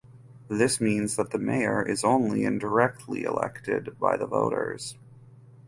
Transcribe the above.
This means that the Mayor is only indirectly elected by the voters.